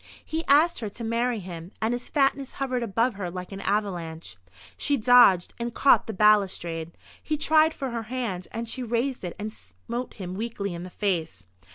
He asked her to marry him, and his fatness hovered above her like an avalanche. She dodged, and caught the balustrade. He tried for her hand, and she raised it and smote him weakly in the face.